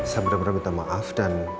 saya bener bener minta maaf dan